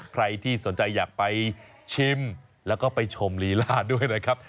ใครที่สนใจอยากไปชิมแล้วก็ไปชมลีลาด้วยนะครับ